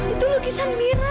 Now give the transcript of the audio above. itu lukisan mira